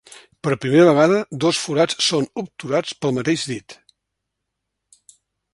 Per primera vegada dos forats són obturats pel mateix dit.